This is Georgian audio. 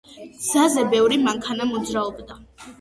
გზაზე ბევრი მანქანა მოძრაობდა.